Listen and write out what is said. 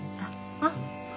あっ。